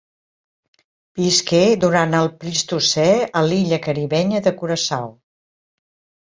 Visqué durant el Plistocè a l'illa caribenya de Curaçao.